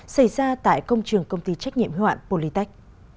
xảy ra tại công trường công ty trách nhiệm hoạn politech